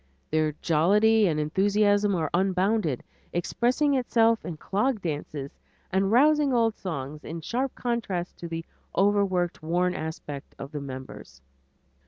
Their jollity and enthusiasm are unbounded, expressing itself in clog dances and rousing old songs often in sharp contrast to the overworked, worn aspects of the members.